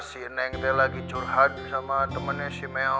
si neng lagi curhat sama temennya si meong